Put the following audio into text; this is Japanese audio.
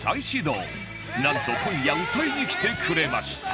なんと今夜歌いにきてくれました